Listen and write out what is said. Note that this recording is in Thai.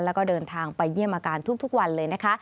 แล้วก็เดินทางไปเยี่ยมอาการทุกวันเลยนะคะ